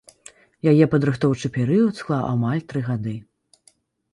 Яе падрыхтоўчы перыяд склаў амаль тры гады.